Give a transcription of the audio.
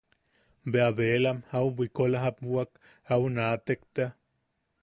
Bea belam au bwikola jabwak au naatek tea.